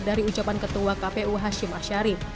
dari ucapan ketua kpu hashim ashari